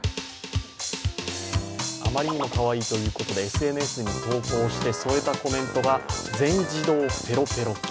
あまりにもかわいいということで、ＳＮＳに投稿して添えたコメントが、全自動ぺろぺろ機。